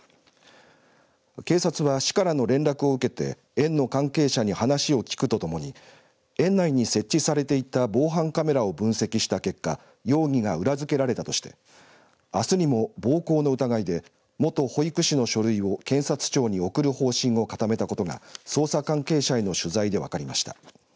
警察は市からの連絡を受けて園の関係者に話を聞くとともに園内に設置されていた防犯カメラを分析した結果容疑が裏付けられたとしてあすにも暴行の疑いで元保育士の書類を検察庁に送る方針を固めたことが捜査関係者への取材で分かりました。